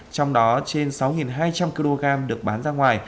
trong đó trên sáu hai trăm linh kg được bán ra ngoài